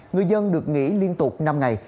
người dân được nghỉ liên tục năm ngày